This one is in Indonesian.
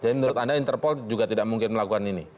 jadi menurut anda interpol juga tidak mungkin melakukan ini